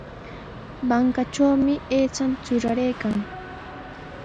Mankatrawmi aychaqa truraraykan.